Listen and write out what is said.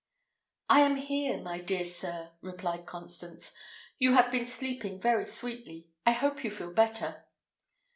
"I am here, my dear sir," replied Constance. "You have been sleeping very sweetly. I hope you feel better."